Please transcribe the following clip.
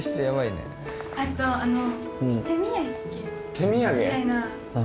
手土産？